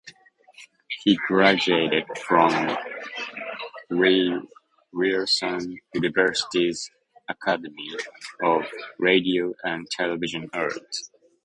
He graduated from Ryerson University’s Academy of Radio and Television Arts.